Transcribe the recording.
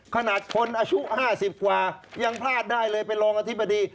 ขนาดคนอายุ๕๐กว่ายังพลาดได้เลยเป็นรองอธิบดี